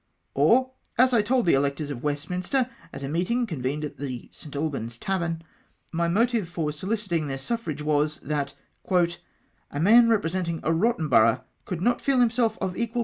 Or, as I told the electors of Westminster at a meeting convened at the St. Alban's Tavern, my motive for sohciting their suffrages was, that " a man represent ing a rotten borough could not feel himself of equal p 4 216 WESTMINSTER ELECTION.